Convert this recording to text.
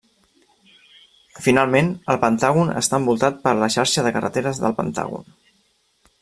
Finalment, El Pentàgon està envoltat per la xarxa de carreteres del Pentàgon.